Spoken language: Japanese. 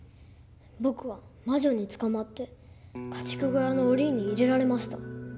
僕は魔女に捕まって家畜小屋の檻に入れられました。